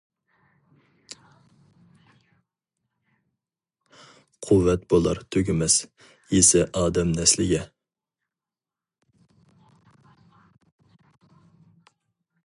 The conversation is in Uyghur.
قۇۋۋەت بولار تۈگىمەس، يېسە ئادەم نەسلىگە.